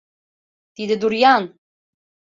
— Тиде дурьян!